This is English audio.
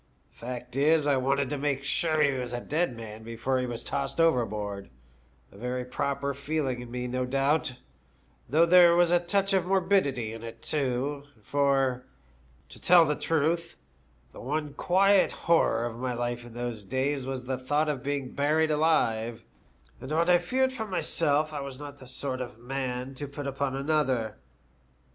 The fact is, I wanted to make sure that he was a dead man before he was tossed over board, a very proper feeling in me, no doubt, though there was a touch of morbidity in it, too ; for, to tell the truth, the one quiet horror of my life in those days was the thought of being buried alive, and what I feared for myself I was not the sort of man to put upon another.